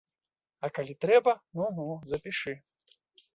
А калі трэба, ну-ну, запішы.